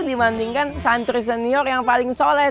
dibandingkan santri senior yang paling soleh